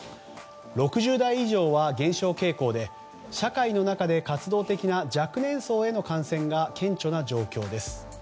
６０代以上は減少傾向で社会の中で活動的な若年層への感染が顕著な状況です。